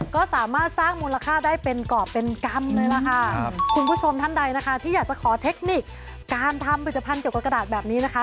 ก็สามารถสร้างมูลค่าได้เป็นกรอบเป็นกรรมเลยล่ะค่ะคุณผู้ชมท่านใดนะคะที่อยากจะขอเทคนิคการทำผลิตภัณฑ์เกี่ยวกับกระดาษแบบนี้นะคะ